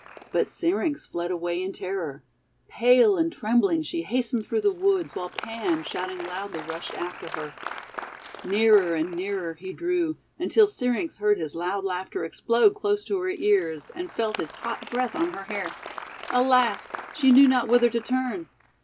But Syrinx fled away in terror. Pale and trembling she hastened through the woods, while Pan, shouting loudly, rushed after her. Nearer and nearer he drew, until Syrinx heard his loud laughter explode close to her ears, and 420 THE WONDER GARDEN felt his hot breath on her hair. Alas! she knew not whither to turn!